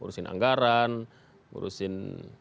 urusin anggaran urusin